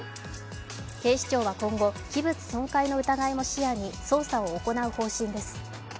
警視庁は今後、器物損壊の疑いも視野に捜査を行う方針です。